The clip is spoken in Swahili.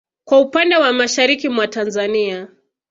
Kwa upande wa mashariki mwa Tanzania